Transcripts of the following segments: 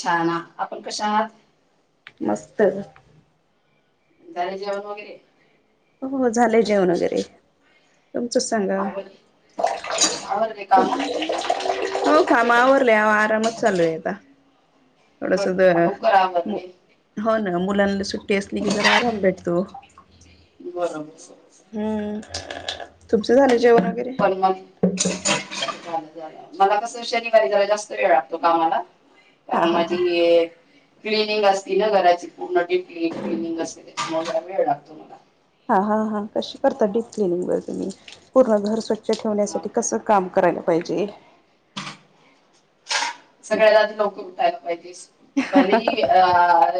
छान ना आपण कशा आहात? मस्त हो झाले जेवण वगैरे. हो हो झालंय जेवण वगैरे. तुमचं सांगा आवर आवरले [inaudible] तुम काम हो कामा आवरल्या म आरामच चालू हाय आता. एवढं बरं सुद्धा बर लवकर हो आवरले [inaudible] हो ना. मुलांना सुट्टी असली की जरा आराम भेटतो. [inaudible] बरोबर हम्म [inaudible] तुमचे झाले जेवण वगैरे. पण मग [inaudible] झालं मला कस शनिवारी जरा जास्त वेळ लागतो कामाला हा कारण हा हा माझी क्लिनिंग असती ना घराची पूर्ण डीप क्लीन क्निनींग असते. त्याच्यामुळे जरा वेळ लागतो मला. हा हा हा कशी करतात डीप क्लिनिंग वर तुम्ही पूर्ण घर स्वच्छ ठेवण्यासाठी कसं काम करायला पाहिजे? [inaudible] सगळ्याला आधी लवकर उठायला पाहिजे [inaudible] भले ही अ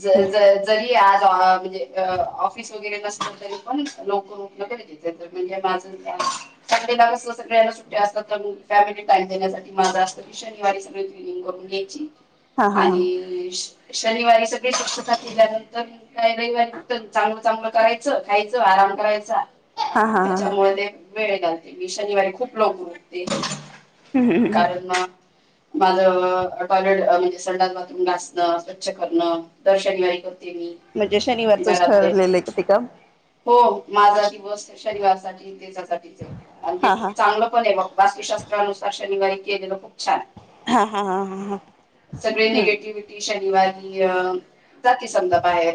ज ज जरी आज तवा म्हणजे अ ऑफिस वगैरे नसले तरी पण लवकर उठण गरजेचे आहे. [unintelligible] टाइम देणार असला तर काय ह्यांना सुट्ट्या असतात त्यामुळं फॅमिली टाइम देण्यासाठी माझा शनिवारी सगळी किनिंग करून घ्यायची हा हा हा आणि शनिवारी सगळी स्वच्छता केल्यानंतर मग काय रविवारी फक्त चांगलं-चांगलं करायचं खायचं. म करायचा. हा हा हा हा त्याच्यामुळे ते वेळ घालते म शनिवारी खूप लवकर उठते. हम्म्मम. कारण [unintelligible] टॉयलेट म्हणजे संडास बाथरूम घासण स्वच्छ करणं दर शनिवारी कर म्हणजे शनिवारचच ठरलेलं आहे का ते काम. माझ दी वस शनिवार साठी त्याच्यासाठीच हाय आणि ते हा खूप हा चांगल पण ये वास्तुशास्त्रानुसार. शनिवारी खप छान हा हा हा हा हा सळे हम्म निगेटिव्हटी वारी जाती संद बाहे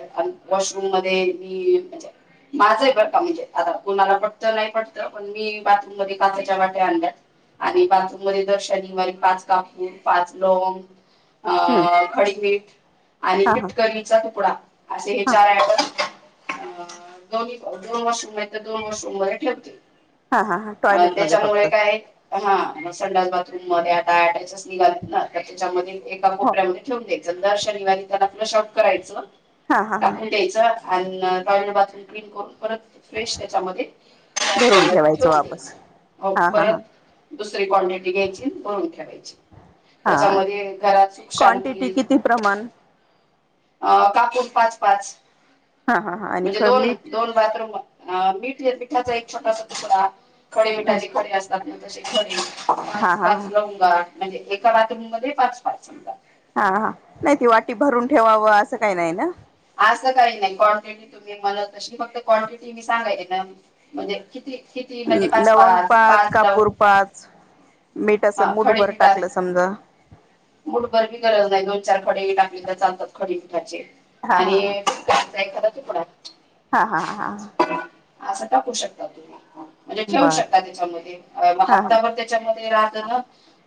वॉशरूम मध्ये मी म्हणजे माझाही बडका म्हणजे आ कुणाला पटत नाही पटत पण मी बाथरूम मध्ये काच्याच्या वाट्या आणल्या आणि बाथरूम मध्ये दर्शनवाारी पाच कापूर पाच लोंग हम्म अ खडीपीठ आणि हा हा फिटकरीचा तुकडा असे हे हा चार आहे आपण अ दोन्ही दोन वर्षहि दोन शंभर ठेवते हा हा हा अ टॉयलेटमध्ये त्याच्यामुळे फक्त काय हा संडास बाथरूम मध्ये आता अटच निव ना त्याच्यामध्ये एका हो कोपऱ्यामध्ये ठेवून द्यायचं दर अशा निवाारना आपलं शाट करायचं हा हा हा टाकून द्यायच अ टॉन बाथरूम क्न करून परत फ्रेश त्याच्यामध्ये भरून ठेवायचं वापस ठेवून्याय हा हा हा परत दुसरी क्वांटिटी घ्यायचीून ठे ठे हा त्याच्यामध्ये घरात सुख शांती क्वांटिटी आहे किती प्रमाण अ काकूड पाच पाच हा हा हा आणि म्हणजे ख दोन मीठ दोन बाथरूमठ मिठाचा एक छोटासा डा खडे हा मिठाचे खडे असतात त खडे हा पाच हा पाच लव म्हणजे एका बाथरूम मध्ये पाच पाथरूम जात हा हा नाही ती वाटी भरून ठेवावं असं काही नाही ना असं काही नाही क्वांटिटी तुम्ही मला तशी फक्त क्वांटिटी मी सांगायची ना म्हणजे किती किती म्हणजे पाच लवंग पाच कापूर लवंग पाच मीठ त्यास मूडवरर टाकलं समज मठभरबी गरज नाही दोन चार खडे टाकली तर चालतात खडे हा आणि एखादा तपडा हा हा हा हा ह असं टाकू शकताात तुम्ही म्हणजे ठेवू बर शकता त्याच्यामध्ये हा हप्तावर त्याच्यामध्ये राह ना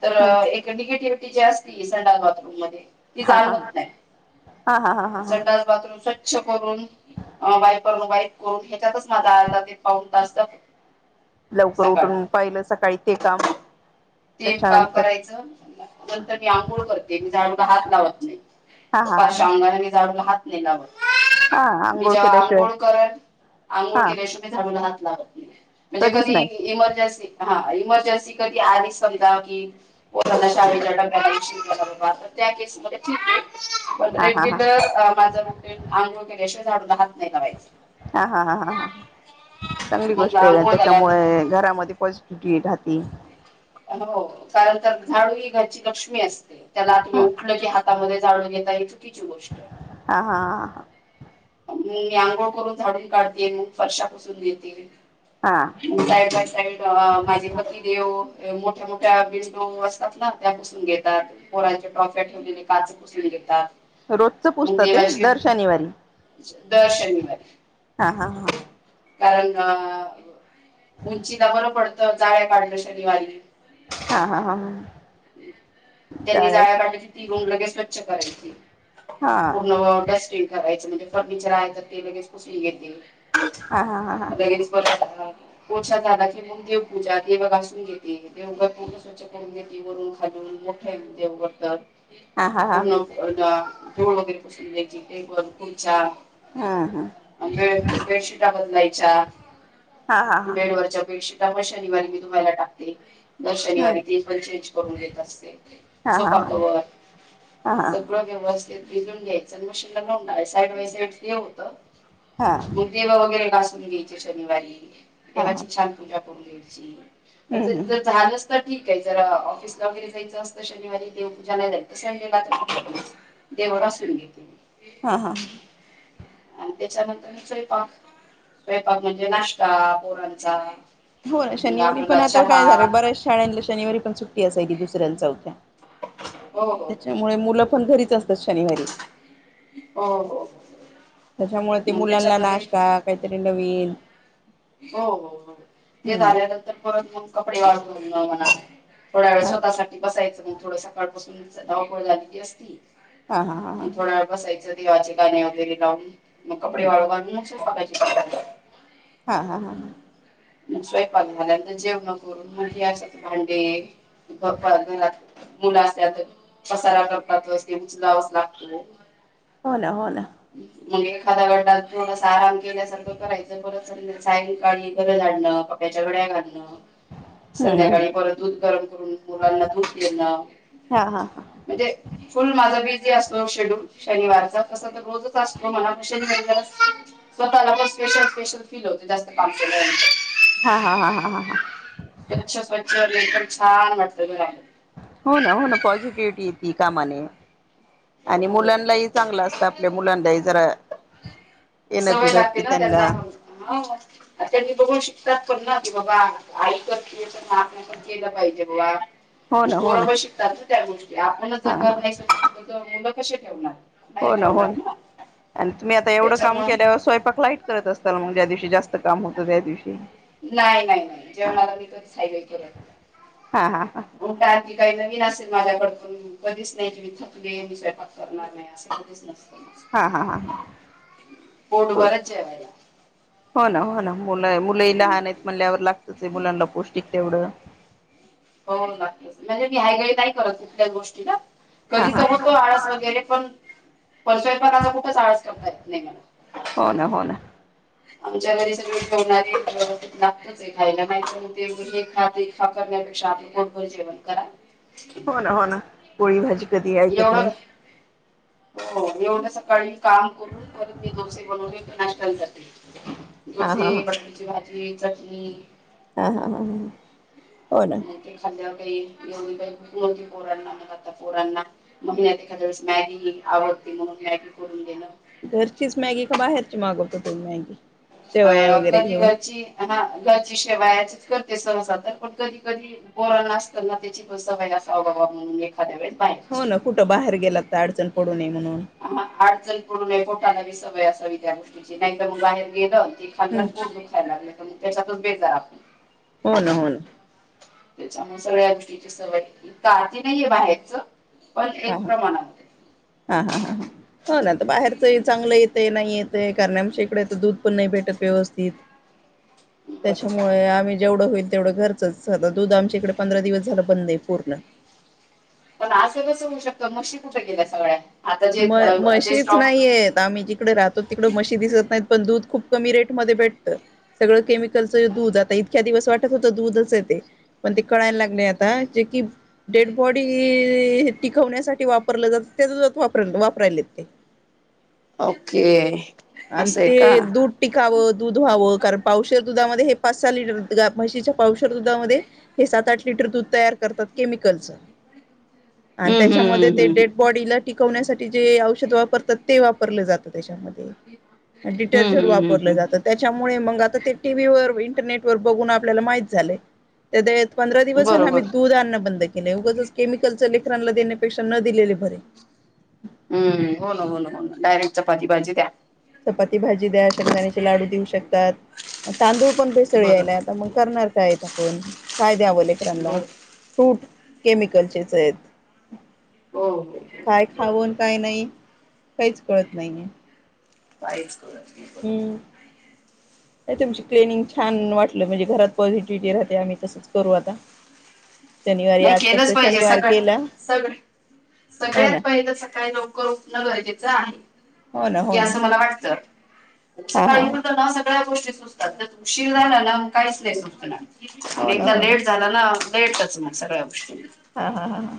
तर हा एक निगेटिव जास्त आहे संाल बाथरूम मध्ये कि हा हा हा जाणवत नाही हा हा हा असं हा स बाथरूम ल करून वापर वाईक करून ह्याच्यातच माझा आर् पाऊन तासता लवकर सकाळ उठून पाहिलं सकाळी ते काम ते का त्याच्यानंतर करायचं नंतर मी आंघोळ करते मी झाडूग हात लावत नाही हा हा हा पाश अंगाने मी जाडून हात नेलाव हा हा मी आंघोळ जेव्हा केल्याशिवाय आंघोळ करन आंघोळ हा केल्याशिवा मी झाधडूला हात लावत नाही म्हणजे कधीच कधी नाही इमजन्सी हा इमर्जन्सी कधी आ की शाळे ट्या एक त्या केसमध्ये ठी पण हा हा हा रेग्युलर माझं रुटीन अंग केल्याशिवा झाडून आहात हा हा हा हा हा ह चांगली मग गोष्ट आहे आंघोळ झाल्या त्याच्यामुळे घरामध्ये पॉझिटिव्हटी राहती कारण झाडू ही घरची लक्ष्मी असते त्याला आही ह उठल की ह जाणून घेत ह चुकीची गोष्ट आहे हा हा ह हा मग आंघोळ करून झाडून काढते मग फर्शा पुसून घेते ह हा साईड बाय साईड माझे पती देेव मोठ्या मोठ्या विंडो असतात ना त्या पुसून घेतात पोराच्या टॉफ्या ठेवलेले काच पुसून घेतात रोजच पुूजतात ते दर शनिवारी दर्शन वर हा हा कारण उंचीला बरं पडतं जाळ्या काढण शनीवारीली हा हा हा ह त्यांनी जाळ्या काढल्याची ती गन लगे स्वच्छ करायची हा पूर्ण डस्टिन करायच म्हणजे फर्निचर आहे तर ते लगेच कसली घेतील हा हा हा च पशात झाला की मंग देवपूजा दिवा घासून घेते [unintelligible] वरून खालून मोठे ज करतात. हा हा हा हा पूर्ण [unintelligible] वगैरे बसून द्यायची ते तुमचा हम्म हम्म अंबे बेडशीटा बदलायच्या हा हा हा बेडवररच्या बेडशिटण शनिवारी मी तुम्हाला टाकते दर शनिवारी हम्म ते दर शनिवारी ते पण चेंज करून घेत असते हा हा सोफा हा कव्हर हा हा सगळं व्यवस्थित भिजून घ्यायचं आणि मशीनला लावून साईड बाय साईड ते होतं हा हा मुलगीला वगैरे डान्स घ्याय शनिवारी हा देवाची छान पूजा करून घ्यायची हम्म हम्म जर झालंच जरा ऑफिसला वगैरे जायचं असतं शनिवारी मध्ये व पूजा नाही राहील मग संडेला जाईल पुसून घेते. हा हा. आणि त्याच्यानंतर स्वयंपाक स्वयंपाक म्हणजे नाश्ता पोरणचा हो य शनिवारी पण आता काय झालं बऱ्याच शाळांला शनिवारी पण सुट्टी असायची दुसऱ्यां चउथ्या हो हो हो त्याच्यामुळे मुलं पण घरीच असतात शनिवारी. हो हो. त्याच्यामुळे ते मग मुलांना त्याच्यामध्ये नाश्ता काहीतरी नवीन हो हो हो ते हम्म झाल्यानंतर परत मग कपडे वाडु घालण म्हणा थोड्या वेळ हा स्वतःसाठी बसायचं मग थोडं सकाळपसून धावपळ झालेली असती हा हा हा म थोडा वेळ बसायचं तेवाचे गाणी वगैरे लावून मग कपडे हम्म वाळू घालून मगकाय [unintelligible] हा हा हा हा. स्वयंपाक झाल्यांत जेवण करून मग अस भांडे घरात मुलं असल्या तर पसार करतातच तोच लावा लागतो. हो ना हो ना. म्हणजे खदागडा थोडासा आराम केल्यासारखं करायचं परत सायंकाळी घरं झा आणणं पप्प्याच्या घड्या घालणं हम्म संध्याकाळी हम्म परत दूध गरम करून मुलांना दूध देण हा हा हा म्हणजे फुल माझा बीज बीजी असतो शेड्युल शनिवारचा तसा तर रोजच असतो म्हणा शनिवारी जरा स्वतःला बस स्पेशल स्पेशल फील होते जास्त काम केल्यानंतर. हा हा हा हा हा हा. म छान वाटत मुलाला [unintelligible] हो ना हो ना पॉझिटिव्हटी येती कामाने. हो आणि मुलांनाही चांगलं बरोबर. असतं आपल्या मुलांनाही जरा एनर्जी सवय भेटते लागते ना त्यांना पण हं त्यांनी बघून श तात पण ना क बाबा आई करतिए तर ना आपण पण केलं पाहिजे बाबा हो ना - हो ना पोरपण शिकतात ना त्या गोष्टी आपणच जर हा घर हा नाही स्वच्छ ठेवले तर मुले कसे ठेवणार. हो नाही ना हो ठेवणार ना आणि तुम्ही आता एवढं काम त्याच्यामुळं केल्यावर स्वयंपाक लाईट करत असताल म्हग ज्या दिवशी. जास्त काम होतं त्या दिवशी- - नाही नाही नाही जेव मला मी केलंट हा हा हा [unintelligible] काही नवीन असेल माझ्याकडकून कधीच नाही तुम्ही थकली मी स्वयंपाक करणार नाही असे कधीच हा हा हा नाही. पोट हा बारच जेवायला. मु मुलंही लहान आहेत हम्म. म्हणल्यावर लागतच आहे, मुलांना पौष्टिक तेवढं. हो नक्कीच म्हणजे मी ह्यायगळी नाही करत कुठल्याच गोष्टीला. हा कधी हा तर होतो, आळस वगैरे पण परशोयत [unintelligible] मगचा खूपच आळास करताय नाही मला हो ना हो ना आमच्या घरी सग ठेवणारी लागतच आहे खायला मा खात कर [unintelligible] चालतंय. पोट भर जेवण करा. हो ना हो ना पोळी भाजी कधी ऐकत नाही. होवढं सकाळी काम करून परत मी डोसे बनवते. नाशता ही करते. हा डोसे, हा हा बटरीची भाजी, चटणी हा हा, हा, ह हो ना. मग ते खाल्ल्यावर एवढी काही पोरांना मग आता पोरांना महिन्यात एखाद्याेळेस मॅगी आवड - - मग मॅगी करून देणं. घरचीच मॅगी का बाहेरची मागता तुम्ही मॅगी. शेवया अ वगैरे कधी घेऊन घरची आ हा घरची शेवायाची. ते सहसा तर पण कधी कधी पोरांना न असताना त्याची पण सवय असा म्हणून एखाद्या वेळेस. हो बाहेरची ना. कुठं बाहेर गेलात तर अडचण पडून नये. म्हणून अडचण पडू नये पोटाला बी सवय असावी त्या गोष्टीची नाही तर मग बाहेर गेलं - - खा हम्म खायला लागलं पण त्याच्यातच बेजार आपण. हो ना. हो ना. त्याच्यामुळे सगळ्या गोष्टीची सवय का आती नाही आहेे बाहेरच. पण हा एक हा प्रमाणात. हा हा हा हो ना तर बाहेरच चांगलं येत नाही येत. ते कारणे आमच्या इकडे आता दूध पण नाही भेटत व्यवस्थित. बरोबर त्याच्यामुळे आम्ही जेवढं होईल तेवढं घरच दूध आमच्या इकडे पंधरा दिवस. झालं बंद पूर्ण. त मशी कुठे गेल्या सगळ्या. आता जे म अ, ते मशीच स्टॉक नाहीयेत आम्ही जिकडे राहतो तिकड म्हशी दिसत नाहीत पण दूध खूप कमी रेटमध्ये भेटत. सगळं केमिकलच दूध आता इतक्या दिवस वाटत होत दूधच ते पण ते कळायला लागले आता जे- - डेडबॉडी टिकवण्यासाठी वापर जात ते [unintelligible] र वापरायले ते. ओके. आणि असं आहे ते का दूध टिकावं दूध व्हावं कारण पावशेर. दुधामध्ये हे पाच, सहा लिटर गा म्हशीच्या पावशेर दुधामध्ये हे सात, आठ लिटर दूध तयार करतात केमिकल. कालचं. आणि हम्म हम्म त्याच्यामध्ये ते हम्म डेड बॉडीला टिकवण्यासाठी जे औषध वापरतात ते वाप पूरलं जातं त्याच्यामध्ये. हम्म डिटर्जंट हम्म हम्म वापरलं हम्म जातं त्याच्यामुळे मग आता ते टी व्ही व इंटरनेटवर बघून आपल्याला माहित झालाय त ते. पंधरा दिवसां बरोबर आम्ही दूध आणणं बंद केलं उगं ज केमिकलच लेकरांना देण्यापेक्षा न दिलेले बरे. हम्म हो ना हो ना हो ना डायरेक्ट च पाजी भाजी द्या. ती भाजी द्या शेंगदाण्याचे लाडू देऊ शकतात तांदूळ पण पेसळ बरं यायला आता मग करणार काय? ण काय द्यावलेकरांदा बरं फूट केमिकलचेच आहेत. हो हो हो काय बरोबर खाऊन आहे काय नाही काहीच कळत नाहीये. बाहेरचं हम्म तुमची ट्रेनिंग छान वाट म्हणजे घरात पॉझिटिव्हटी राहते आम्ही तसच करू आता शनिवारी नाही आजचा केलंच तर पाहिजे शनिवार सगळ गेला सगळे हो सगळ्यात ना पहिलं सकाळी लवकर उठणं गरजेचं आहे. हो ना हे हो ना असं मला वाटतं. उ हा हा हा सकाळीत ना सगळ्या गोष्टी सुचतात तर उशीर झाला ना मग काहीच नाही सुचनार. हो ना एकदा हो ना लेट झाला ना लेटच मग सगळंच. हा हा हा हा.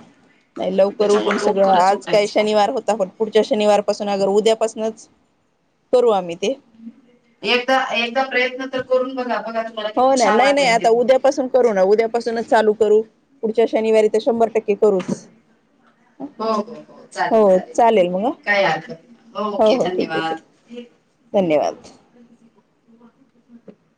नाही लवकर उठून त्याच्यामुळे सगळं लवकरच आज काही उठायचं शनिवार होता पण पुढच्या शनिवार पाासून अगर उद्यापासूनच करू आम्ही ते एकदा एकदा प्रयत्न तर करून बघा कर हो ना नाही नाही आता उद्यापासून करू ना उद्यापासूनच चालू करू पुढच्या शनिवारी तर शंभर टक्के करूच हो हो हो चालेल चालेल काय हरकत नाही हो ओके हो ठीक आहे ठीक धन्यवाद धन्यवाद [unintelligible]